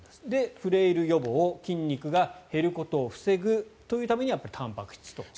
フレイル予防、筋肉が減ることを防ぐというためにはやっぱりたんぱく質と。